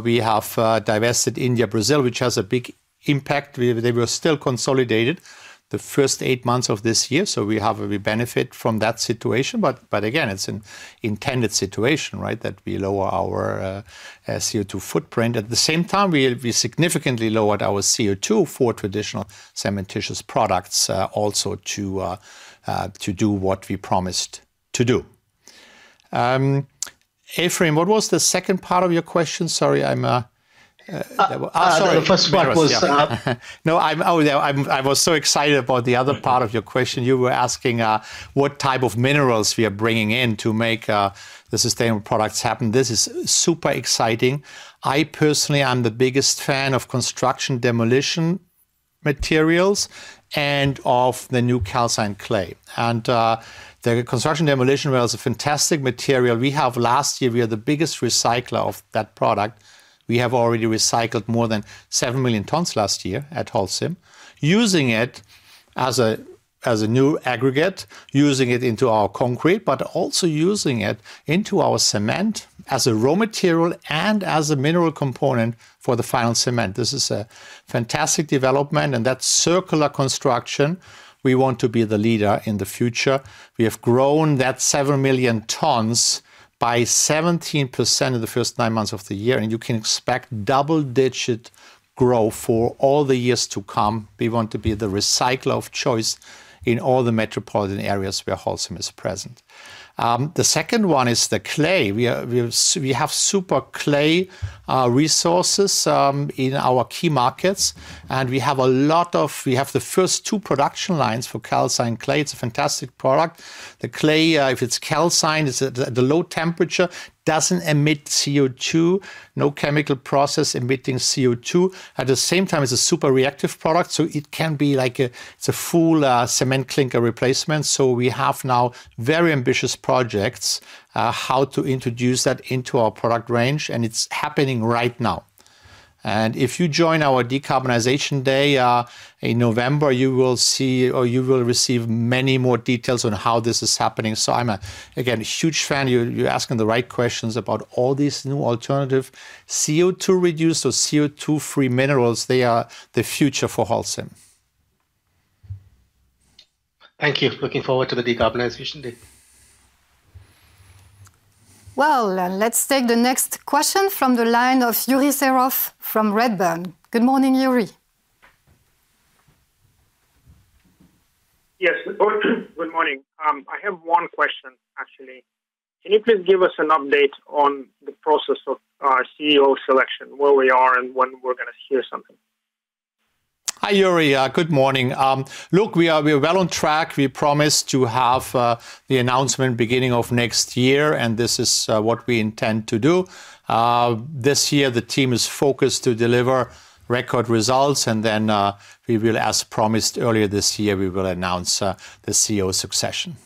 Speaker 2: We have divested India, Brazil, which has a big impact. They were still consolidated the first eight months of this year, so we benefit from that situation. But again, it's an intended situation, right? That we lower our CO2 footprint. At the same time, we significantly lowered our CO2 for traditional cementitious products, also to do what we promised to do. Ephrem, what was the second part of your question? Sorry, I'm-
Speaker 13: Sorry, the first part was,
Speaker 2: No, oh, I was so excited about the other part of your question.
Speaker 13: Okay.
Speaker 2: You were asking what type of minerals we are bringing in to make the sustainable products happen. This is super exciting. I personally am the biggest fan of construction demolition materials and of the new calcined clay. And the construction demolition material is a fantastic material. Last year, we were the biggest recycler of that product. We have already recycled more than 7 million tons last year at Holcim, using it as a new aggregate, using it into our concrete, but also using it into our cement as a raw material and as a mineral component for the final cement. This is a fantastic development, and that circular construction, we want to be the leader in the future. We have grown that 7 million tons by 17% in the first nine months of the year, and you can expect double-digit growth for all the years to come. We want to be the recycler of choice in all the metropolitan areas where Holcim is present. The second one is the clay. We have super clay resources in our key markets, and we have a lot of... We have the first two production lines for calcined clay. It's a fantastic product. The clay, if it's calcined, is the low temperature, doesn't emit CO2, no chemical process emitting CO2. At the same time, it's a super reactive product, so it can be like a, it's a full cement clinker replacement. So we have now very ambitious projects, how to introduce that into our product range, and it's happening right now. And if you join our decarbonization day, in November, you will see, or you will receive many more details on how this is happening. So I'm, again, a huge fan. You're asking the right questions about all these new alternative CO2 reducers or CO2-free minerals. They are the future for Holcim.
Speaker 13: Thank you. Looking forward to the decarbonization day.
Speaker 1: Well, let's take the next question from the line of Yuri Serov from Redburn. Good morning, Yuri.
Speaker 14: Yes, good morning. I have one question, actually. Can you please give us an update on the process of CEO selection, where we are and when we're gonna hear something?
Speaker 2: Hi, Yuri, good morning. Look, we are, we're well on track. We promised to have the announcement beginning of next year, and this is what we intend to do. This year, the team is focused to deliver record results, and then we will, as promised earlier this year, we will announce the CEO succession.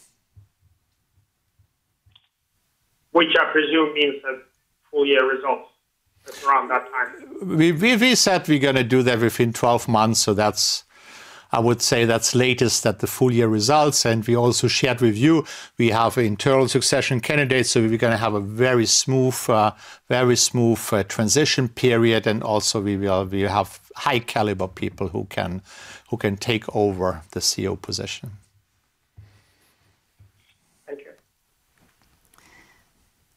Speaker 14: Which I presume means that full year results are around that time?
Speaker 2: We said we're gonna do that within 12 months, so that's... I would say that's latest, at the full year results. And we also shared with you, we have internal succession candidates, so we're gonna have a very smooth, very smooth, transition period. And also, we have high caliber people who can take over the CEO position.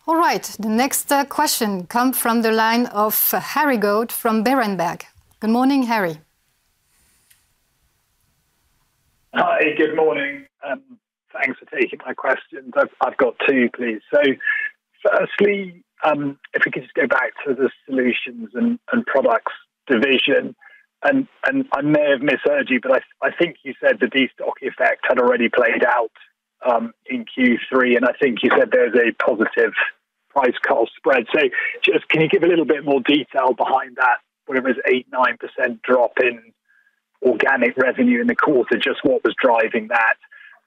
Speaker 14: Thank you.
Speaker 1: All right, the next question comes from the line of Harry Goad from Berenberg. Good morning, Harry.
Speaker 15: Hi, good morning, thanks for taking my questions. I've got two, please. So firstly, if we could just go back to the solutions and products division, and I may have misheard you, but I think you said the destock effect had already played out in Q3, and I think you said there's a positive price-cost spread. So just can you give a little bit more detail behind that, whatever, it's 8%-9% drop in organic revenue in the quarter, just what was driving that?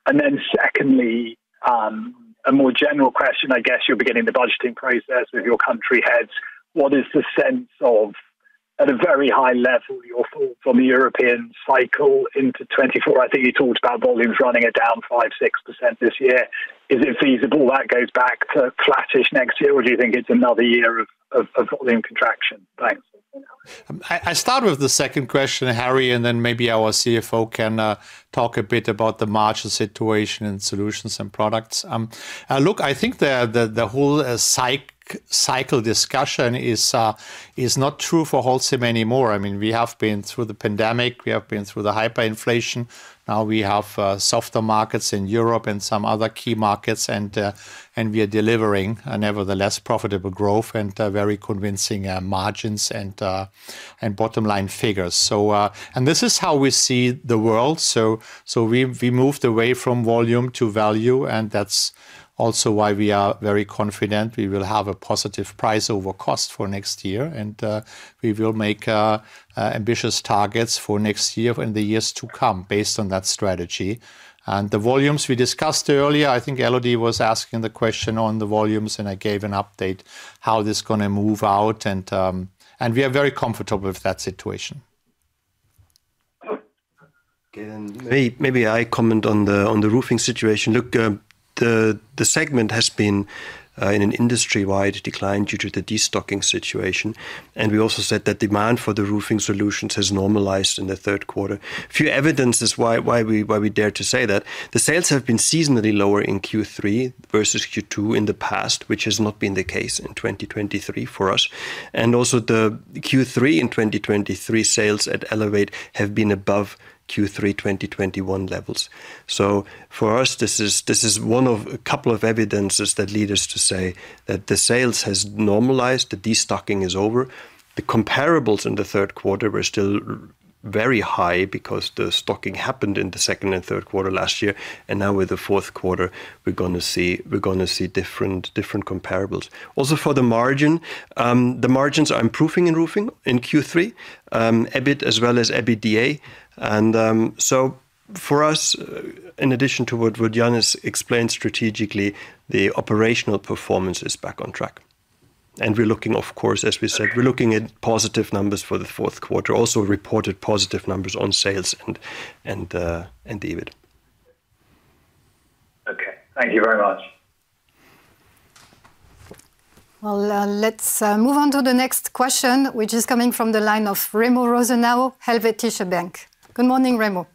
Speaker 15: And then secondly, a more general question, I guess you'll be getting the budgeting process with your country heads. What is the sense of, at a very high level, your thought from a European cycle into 2024? I think you talked about volumes running at down 5-6% this year. Is it feasible that goes back to flattish next year, or do you think it's another year of volume contraction? Thanks.
Speaker 2: I'll start with the second question, Harry, and then maybe our CFO can talk a bit about the margin situation and solutions and products. Look, I think the whole cycle discussion is not true for Holcim anymore. I mean, we have been through the pandemic, we have been through the hyperinflation, now we have softer markets in Europe and some other key markets, and we are delivering a nevertheless profitable growth and very convincing margins and bottom line figures. So, this is how we see the world. So, we moved away from volume to value, and that's also why we are very confident we will have a positive price over cost for next year, and we will make... Ambitious targets for next year and the years to come based on that strategy. And the volumes we discussed earlier, I think Elodie was asking the question on the volumes, and I gave an update how this is gonna move out, and we are very comfortable with that situation.
Speaker 3: Okay, and maybe I comment on the roofing situation. Look, the segment has been in an industry-wide decline due to the destocking situation, and we also said that demand for the roofing solutions has normalized in the third quarter. A few evidences why we dare to say that. The sales have been seasonally lower in Q3 versus Q2 in the past, which has not been the case in 2023 for us, and also the Q3 in 2023, sales at Elevate have been above Q3 2021 levels. So for us, this is one of a couple of evidences that lead us to say that the sales has normalized, the destocking is over. The comparables in the third quarter were still very high because the stocking happened in the second and third quarter last year, and now with the fourth quarter, we're gonna see different comparables. Also, for the margin, the margins are improving in roofing in Q3, EBIT as well as EBITDA. So for us, in addition to what Jan explained strategically, the operational performance is back on track. We're looking, of course, as we said, at positive numbers for the fourth quarter. Also, reported positive numbers on sales and EBIT.
Speaker 15: Okay. Thank you very much.
Speaker 1: Well, let's move on to the next question, which is coming from the line of Remo Rosenau, Helvetische Bank. Good morning, Remo.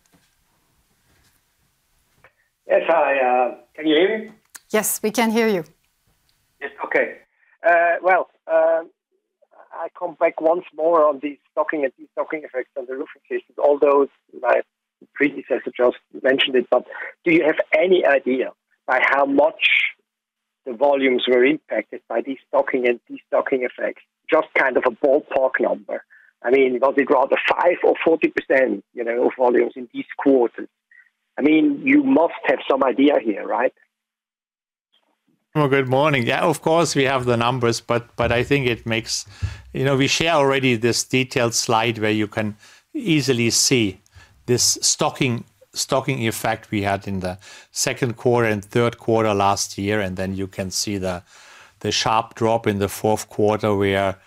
Speaker 16: Yes, hi. Can you hear me?
Speaker 1: Yes, we can hear you.
Speaker 16: Yes. Okay. I come back once more on the stocking and destocking effects on the roofing systems, although my predecessor just mentioned it, but do you have any idea by how much the volumes were impacted by the stocking and destocking effects? Just kind of a ballpark number. I mean, was it rather 5% or 40%, you know, of volumes in each quarter? I mean, you must have some idea here, right?
Speaker 2: Well, good morning. Yeah, of course, we have the numbers, but, but I think it makes... You know, we share already this detailed slide where you can easily see this stocking effect we had in the second quarter and third quarter last year, and then you can see the sharp drop in the fourth quarter, where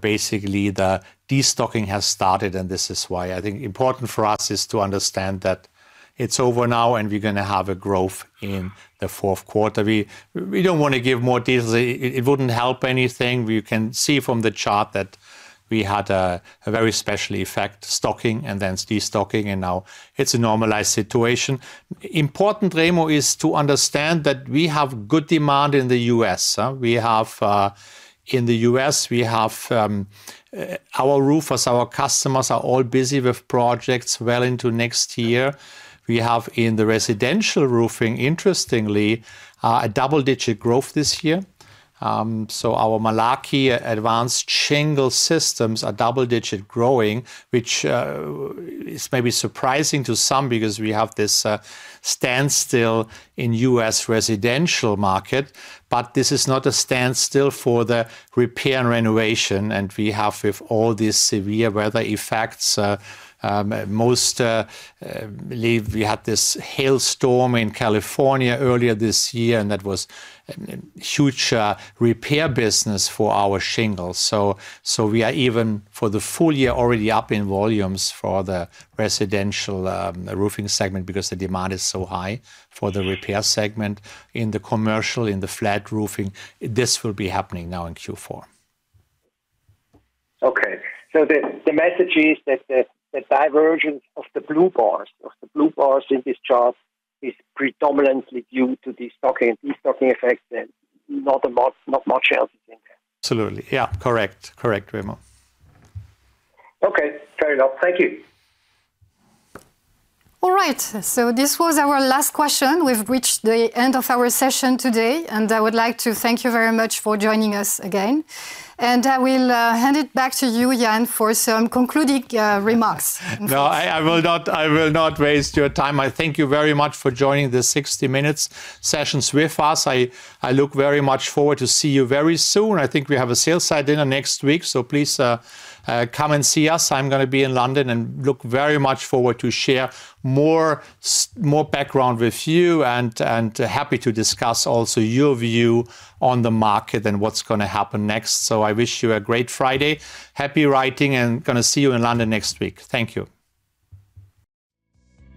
Speaker 2: basically the destocking has started, and this is why. I think important for us is to understand that it's over now, and we're gonna have a growth in the fourth quarter. We don't wanna give more details. It wouldn't help anything. We can see from the chart that we had a very special effect stocking and then destocking, and now it's a normalized situation. Important, Remo, is to understand that we have good demand in the U.S., huh? We have, in the U.S., we have, our roofers, our customers are all busy with projects well into next year. We have, in the residential roofing, interestingly, a double-digit growth this year. So our Malarkey advanced shingle systems are double-digit growing, which, is maybe surprising to some because we have this, standstill in U.S. residential market, but this is not a standstill for the repair and renovation. And we have with all these severe weather effects, most believe we had this hailstorm in California earlier this year, and that was a huge, repair business for our shingles. So, so we are even, for the full year, already up in volumes for the residential, roofing segment because the demand is so high for the repair segment. In the commercial, in the flat roofing, this will be happening now in Q4.
Speaker 16: Okay. So the message is that the divergence of the blue bars in this chart is predominantly due to the stocking and destocking effects and not a lot, not much else in there?
Speaker 2: Absolutely. Yeah. Correct. Correct, Remo.
Speaker 16: Okay. Fair enough. Thank you.
Speaker 1: All right, so this was our last question. We've reached the end of our session today, and I would like to thank you very much for joining us again. I will hand it back to you, Jan, for some concluding remarks.
Speaker 2: No, I will not waste your time. I thank you very much for joining the 60 minutes sessions with us. I look very much forward to see you very soon. I think we have a sell-side dinner next week, so please, come and see us. I'm gonna be in London and look very much forward to share more background with you and happy to discuss also your view on the market and what's gonna happen next. So I wish you a great Friday. Happy writing, and gonna see you in London next week. Thank you.